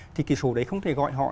thì cái số đấy không thể gọi họ là